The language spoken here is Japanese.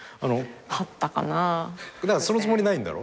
そのつもりないんだろ？